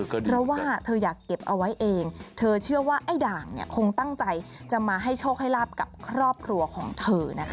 เพราะว่าเธออยากเก็บเอาไว้เองเธอเชื่อว่าไอ้ด่างเนี่ยคงตั้งใจจะมาให้โชคให้ลาบกับครอบครัวของเธอนะคะ